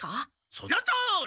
そのとおり！